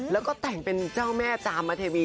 แล้วก็แต่งเป็นเจ้าแม่จามเทวี